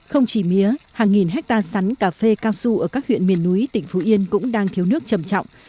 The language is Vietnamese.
không chỉ mía hàng nghìn hectare sắn cà phê cao su ở các huyện miền núi tỉnh phú yên cũng đang thiếu nước trầm trọng